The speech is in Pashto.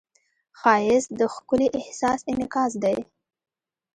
ښایست د ښکلي احساس انعکاس دی